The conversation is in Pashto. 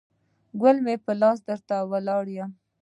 ګل مې په لاس درته ولاړ یم